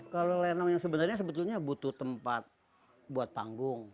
kalau lenong yang sebenarnya sebetulnya butuh tempat buat panggung